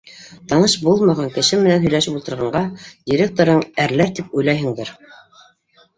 Таныш булмаған кеше менән һөйләшеп ултырғанға директорың әрләр тип уйлайһыңдыр.